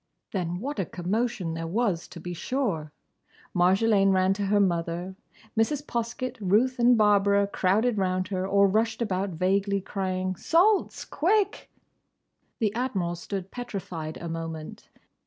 Then what a commotion there was, to be sure! Marjolaine ran to her mother, Mrs. Poskett, Ruth and Barbara crowded round her or rushed about vaguely, crying, "Salts! Quick!" The Admiral stood petrified a moment.